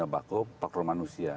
bakau faktor manusia